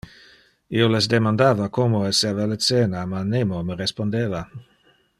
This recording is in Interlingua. Io les demandava como esseva le cena, ma nemo me respondeva.